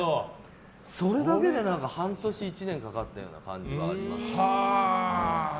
それだけで半年、１年かかったような感じがありました。